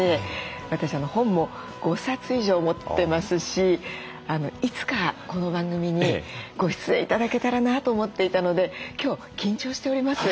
私本も５冊以上持ってますしいつかこの番組にご出演頂けたらなと思っていたので今日緊張しております。